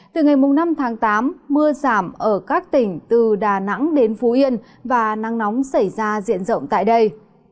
từ ngày năm tháng tám mưa giảm ở các tỉnh từ đà nẵng đến phú yên và nắng nóng xảy ra diện rộng tại đây